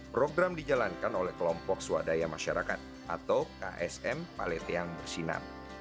program dijalankan oleh kelompok swadaya masyarakat atau ksm paleteang bersinar